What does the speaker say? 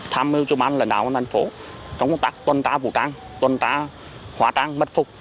tham mưu chủ ban lãnh đạo quân an thành phố trong công tác tuần tra vũ trang tuần tra hóa trang mật phục